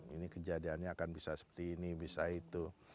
ini kejadiannya akan bisa seperti ini bisa itu